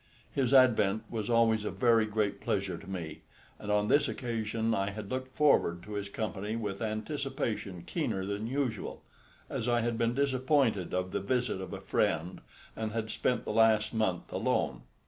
His advent was always a very great pleasure to me, and on this occasion I had looked forward to his company with anticipation keener than usual, as I had been disappointed of the visit of a friend and had spent the last month alone.